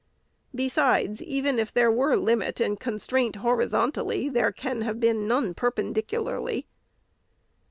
Besides, even if there were limit and constraint horizontally, there can have been none perpendicularly.